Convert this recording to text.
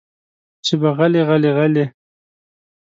چې به غلې غلې غلې